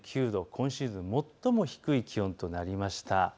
今シーズン最も低い気温となりました。